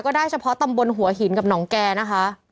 ได้เฉพาะตำบลหัวหินกับหนองแก่นะคะ